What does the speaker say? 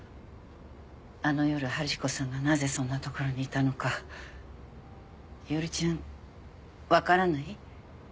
あの夜春彦さんがなぜそんな所にいたのか伊織ちゃん分からない？